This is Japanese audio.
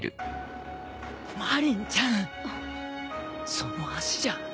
その足じゃ。